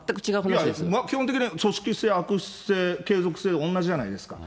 基本的には組織性、悪質性、全く同じじゃないですか。